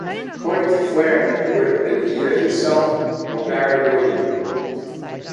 According to Flair, it would have been either himself or Barry Windham.